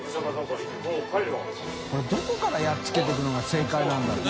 海どこからやっつけてくのが正解なんだろう？